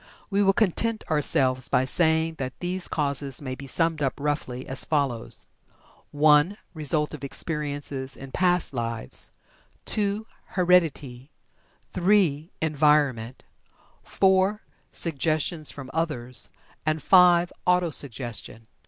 We will content ourselves by saying that these causes may be summed up, roughly, as follows: (1) Result of experiences in past lives; (2) Heredity; (3) Environment; (4) Suggestion from others; and (5) Auto suggestion.